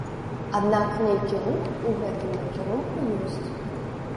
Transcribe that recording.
Аднак нейкі рух у гэтым накірунку ёсць.